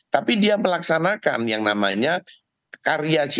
tapi dia melaksanakan yang namanya karya